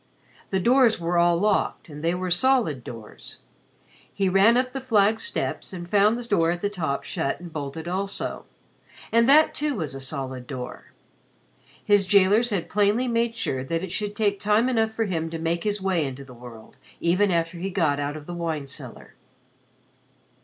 The doors were all locked, and they were solid doors. He ran up the flagged steps and found the door at the top shut and bolted also, and that too was a solid door. His jailers had plainly made sure that it should take time enough for him to make his way into the world, even after he got out of the wine cellar.